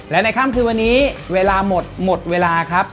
และในค่ำคืนวันนี้เวลาหมดหมดเวลาครับ